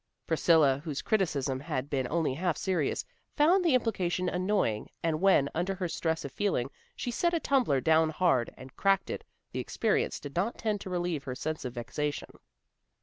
Priscilla whose criticism had been only half serious, found the implication annoying, and when, under her stress of feeling, she set a tumbler down hard, and cracked it, the experience did not tend to relieve her sense of vexation.